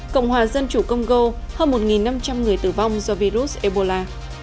cộng hòa dân chủ congo hơn một năm trăm linh người tử vong do virus ebola